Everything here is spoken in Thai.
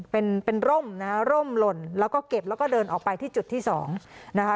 เป็นเป็นร่มนะฮะร่มหล่นแล้วก็เก็บแล้วก็เดินออกไปที่จุดที่สองนะคะ